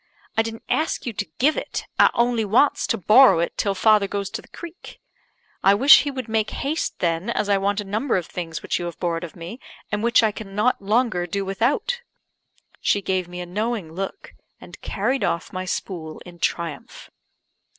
"I didn't ask you to give it. I only wants to borrow it till father goes to the creek." "I wish he would make haste, then, as I want a number of things which you have borrowed of me, and which I cannot longer do without." She gave me a knowing look, and carried off my spool in triumph.